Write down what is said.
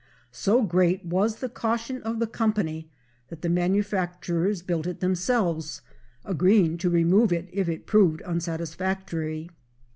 So great was the caution of the company that the manufacturers built it themselves, agreeing to remove it if it proved unsatisfactory.